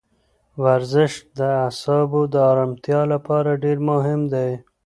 ورزش د اعصابو د ارامتیا لپاره ډېر مهم دی.